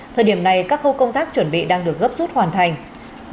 thời điểm này các khâu công tác chuẩn bị đang được gấp rút hoàn thành